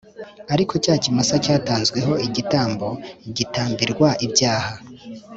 Ariko cya kimasa cyatanzwe ho igitambo gitambirwa ibyaha